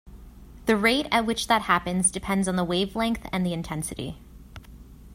The rate at which that happens depends on the wavelength and the intensity.